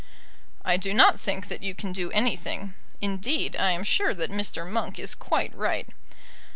"I do not think that you can do anything. Indeed, I am sure that Mr. Monk is quite right.